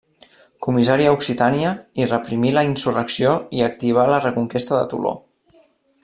Comissari a Occitània, hi reprimí la insurrecció i activà la reconquesta de Toló.